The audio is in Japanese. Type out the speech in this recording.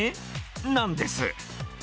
なんです。